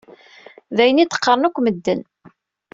D ayen i d-qqaṛen akk medden.